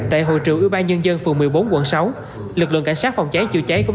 tại hội trường ủy ban nhân dân phường một mươi bốn quận sáu lực lượng cảnh sát phòng cháy chữa cháy cũng